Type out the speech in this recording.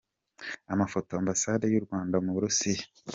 Amafoto: Ambasade y’u Rwanda mu Burusiya.